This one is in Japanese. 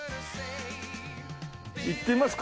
行ってみますか？